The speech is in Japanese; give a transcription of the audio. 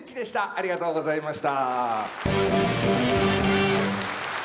ありがとうございます。